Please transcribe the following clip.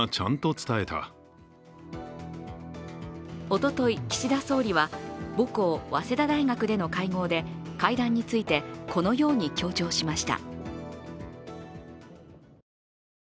おととい、岸田総理は母校・早稲田大学での会合で会談についてこのように強調しました。